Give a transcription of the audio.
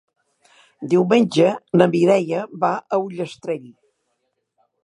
Diumenge na Mireia va a Ullastrell.